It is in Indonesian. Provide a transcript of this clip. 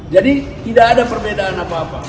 jadi tidak ada perbedaan apa apa